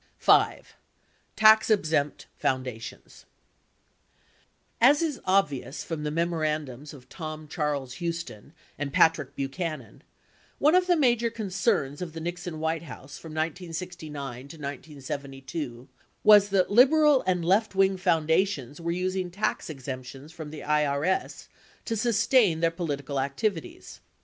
(5) Tax exempt foundations As is obvious from the memorandums of Tom Charles Huston and Patrick Buchanan, one of the major concerns of the Nixon White House from 1969 to 1972 was that liberal and "left wing" foundations were using tax exemptions from the IRS to sustain their political activities.